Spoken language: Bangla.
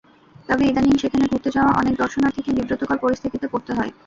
তবে ইদানীং সেখানে ঘুরতে যাওয়া অনেক দর্শনার্থীকে বিব্রতকর পরিস্থিতিতে পড়তে হয়।